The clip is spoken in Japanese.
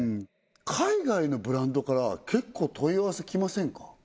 海外のブランドから結構問い合わせ来ませんか？